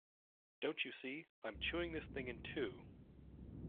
Don't you see, I'm chewing this thing in two.